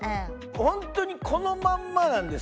本当にこのまんまなんですよ